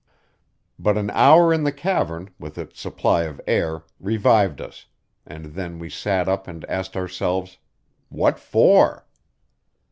But an hour in the cavern, with its supply of air, revived us; and then we sat up and asked ourselves: "What for?"